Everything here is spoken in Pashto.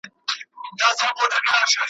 او حتی ماشومان یې هم ورسره بېولي ول `